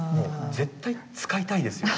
絶対使いたいですよ。